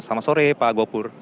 selamat sore pak gopur